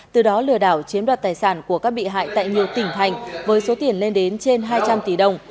từ đó lừa đảo chiếm đoạt tài sản của các bị hại tại nhiều tỉnh thành với số tiền lên đến trên hai trăm linh tỷ đồng